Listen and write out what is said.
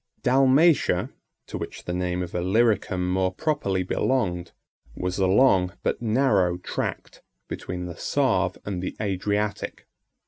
Dalmatia, to which the name of Illyricum more properly belonged, was a long, but narrow tract, between the Save and the Adriatic.